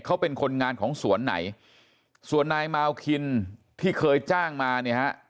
เขาเป็นคนงานของสวนไหนส่วนนายมาวคินที่เคยจ้างมาเนี่ยฮะ